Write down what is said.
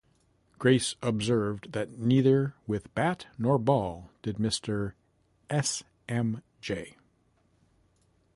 Grace observed that neither with bat nor ball did Mr. S. M. J.